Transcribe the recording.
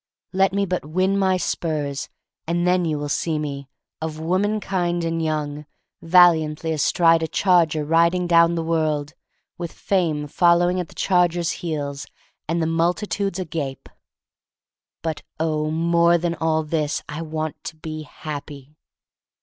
Let me but win my spurs, and then you will see me — of womankind and young — valiantly astride a charger riding down the world, with Fame following at the charger's heels, and the multitudes agape. But oh, more than all this I want to be happy!